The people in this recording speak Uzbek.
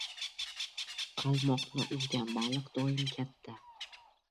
• Qalmoqni uzgan baliq doim katta.